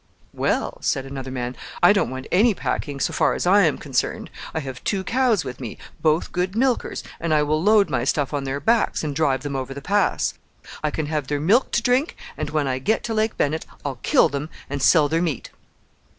"Well," said another man, "I don't want any packing so far as I am concerned. I have two cows with me, both good milkers, and I will load my stuff on their backs and drive them over the pass. I can have their milk to drink, and when I get to Lake Bennett I'll kill them and sell their meat."